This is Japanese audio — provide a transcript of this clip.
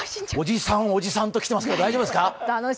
おじさん、おじさんと来てますけど大丈夫ですか。